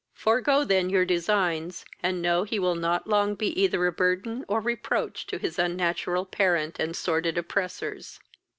Forego then your designs, and know he will not long be either a burthen or reproach to his unnatural parent and sordid oppressors."